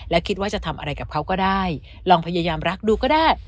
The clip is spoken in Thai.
และคิดว่าจะทำอะไรกับเขาก็ได้ลองพยายามรักดูก็ได้